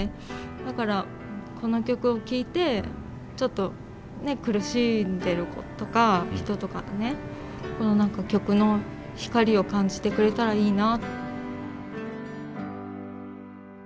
だからこの曲を聴いてちょっとねっ苦しんでる子とか人とかにねこの何か曲の光を感じてくれたらいいな。